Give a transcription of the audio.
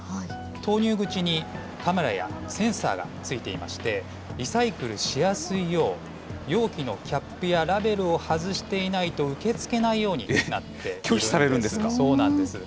投入口にカメラやセンサーが付いていまして、リサイクルしやすいよう、容器のキャップやラベルを外していないと受け付けないよう拒否されるんですか？